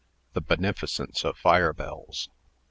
THE BENEFICENCE OF FIRE BELLS.